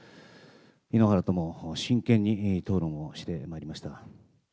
井ノ原とも真剣に討論をしてまいりました。